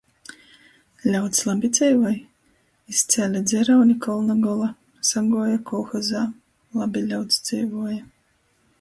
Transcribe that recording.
Ļauds labi dzeivoj? Izcēle dzerauni kolna gola, saguoja kolhozā. Labi ļauds dzeivuoja.